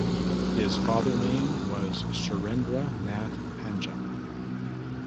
His father name was Surendra Nath Panja.